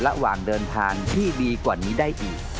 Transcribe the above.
ระหว่างเดินทางที่ดีกว่านี้ได้อีก